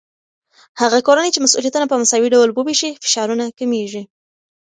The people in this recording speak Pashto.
هغه کورنۍ چې مسؤليتونه په مساوي ډول وويشي، فشارونه کمېږي.